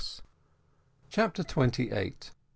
CHAPTER TWENTY EIGHT.